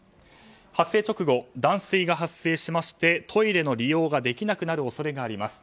発生直後、断水が発生しましてトイレの利用ができなくなる恐れがあります。